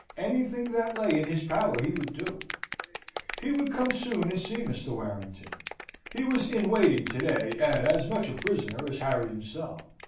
Anything that lay in his power he would do. He would come soon and see Mr. Warrington: he was in waiting to day, and as much a prisoner as Harry himself.